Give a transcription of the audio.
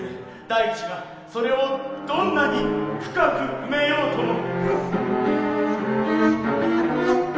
大地がそれをどんなに深く埋めようとも。